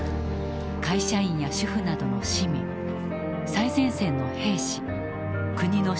会社員や主婦などの市民最前線の兵士国の指導者たち。